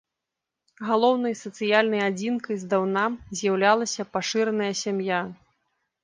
Галоўнай сацыяльнай адзінкай здаўна з'яўлялася пашыраная сям'я.